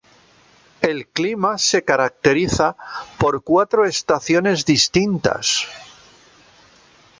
El clima se caracteriza por cuatro estaciones distintas.